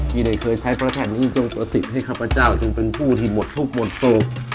พี่ไม่เคยใช้พระแทนทรงประศิษฐ์ให้ข้าพเจ้าทิ้งเป็นผู้ที่หมดภูกษ์หมดสูก